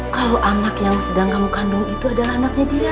kalau anak yang sedang kamu kandung itu adalah anaknya dia